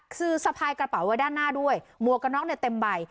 ซื้อสะพายกระเป๋าไว้ด้านหน้าด้วยมวกนอกเต็มใบ